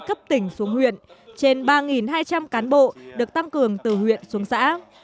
từ tỉnh xuống huyện trên ba hai trăm linh cán bộ được tăng cường từ huyện xuống xã